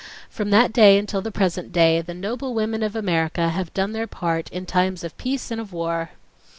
From that day until the present day the noble women of America have done their part in times of peace and of war